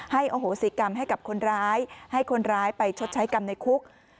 โหสิกรรมให้กับคนร้ายให้คนร้ายไปชดใช้กรรมในคุก